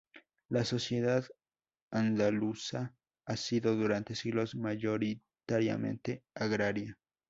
La sociedad andaluza ha sido durante siglos mayoritariamente agraria.